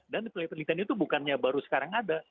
dan pelih penelitian itu bukannya baru sekarang ada